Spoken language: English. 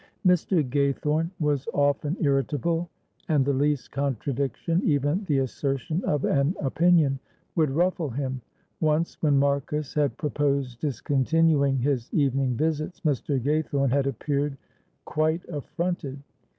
Mr. Gaythorne was often irritable, and the least contradiction even the assertion of an opinion would ruffle him. Once, when Marcus had proposed discontinuing his evening visits, Mr. Gaythorne had appeared quite affronted.